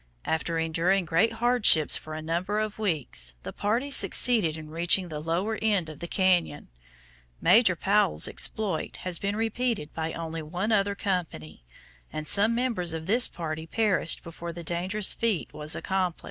After enduring great hardships for a number of weeks, the party succeeded in reaching the lower end of the cañon. Major Powell's exploit has been repeated by only one other company, and some members of this party perished before the dangerous feat was accomplished.